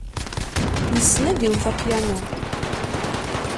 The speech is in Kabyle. Yessen ad iwet apyanu.